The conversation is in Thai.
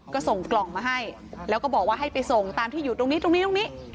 ก็ส่งกล่องมาให้แล้วก็บอกว่าให้ไปส่งตามที่อยู่ตรงนี้